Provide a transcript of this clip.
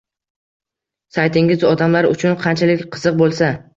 Saytingiz odamlar uchun qanchalik qiziq bo’lsa